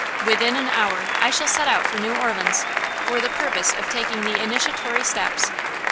Within an hour I shall set out for New Orleans, for the purpose of taking the initiatory steps.